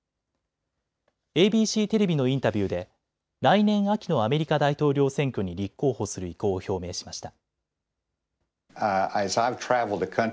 ＡＢＣテレビのインタビューで来年秋のアメリカ大統領選挙に立候補する意向を表明しました。